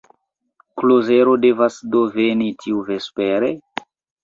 Klozelo devas do veni tiuvespere?